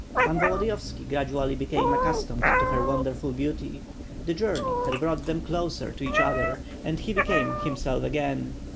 Pan Volodiyovski gradually became accustomed to her wonderful beauty, the journey had brought them closer to WITH FIRE AND SWORD. ^^g each other, and he became himself again.